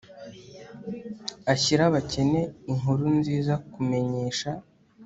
ashyire abakene inkuru nziza kumenyesha